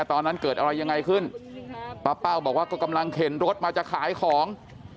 ตอนนั้นเกิดอะไรยังไงขึ้นป้าเป้าบอกว่าก็กำลังเข็นรถมาจะขายของ